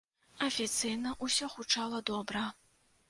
Афіцыйна усё гучала добра.